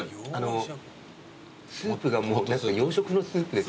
スープがもう洋食のスープですよね。